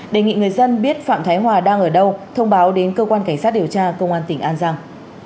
đề nghị người dân biết phạm thái hòa đang ở đâu thông báo đến cơ quan cảnh sát điều tra công an tỉnh an giang